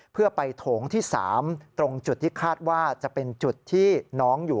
เพื่อไปโถงที่๓ตรงจุดที่คาดว่าจะเป็นจุดที่น้องอยู่